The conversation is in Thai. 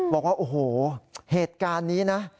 บอกว่าโอ้โหเหตุการณ์นี้นะ